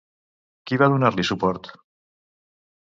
Qui va donar-li suport?